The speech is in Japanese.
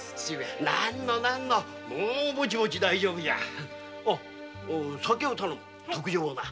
何の何のもう大丈夫だ。